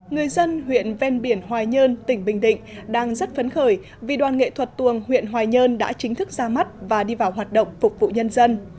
người dân huyện ven biển hoài nhơn tỉnh bình định đang rất phấn khởi vì đoàn nghệ thuật tuồng huyện hoài nhơn đã chính thức ra mắt và đi vào hoạt động phục vụ nhân dân